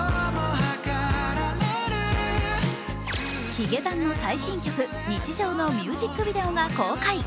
ヒゲダンの最新曲、「日常」のミュージックビデオが公開。